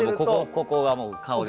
ここがもう顔で。